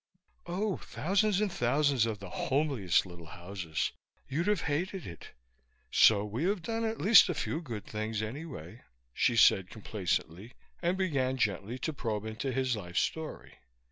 "Oh, thousands and thousands of the homeliest little houses. You'd have hated it. So we have done at least a few good things, anyway," she said complacently, and began gently to probe into his life story.